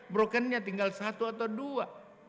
broken nya tinggal satu atau dua